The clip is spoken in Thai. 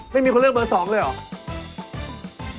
ไม่มีคนเลือกเบอร์๒เลยเหรอ